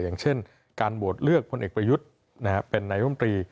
อย่างเช่นการโหวตเลือกพลเอกประยุทธ์เป็นนายรมตรี